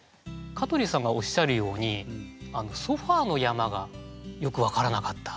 香取さんがおっしゃるように「ソファーの山」がよく分からなかった。